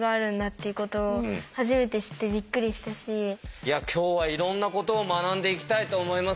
いや今日はいろんなことを学んでいきたいと思います。